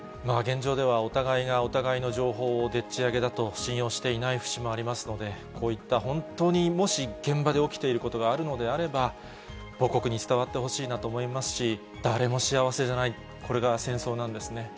現状ではお互いがお互いの情報をでっちあげだと、信用していない節もありますので、こういった本当にもし、現場で起きていることがあるのであれば、母国に伝わってほしいなと思いますし、誰も幸せじゃない、これが戦争なんですね。